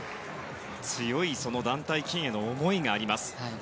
強い団体金への思いがあります。